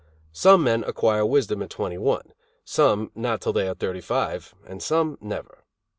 Some men acquire wisdom at twenty one, some not till they are thirty five, and some never.